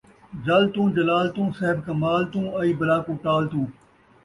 جل توں جلال توں، صاحب کمال توں، آئی بلا کوں ٹال توں